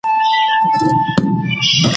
چي مي ښکلي دوستان نه وي چي به زه په نازېدمه `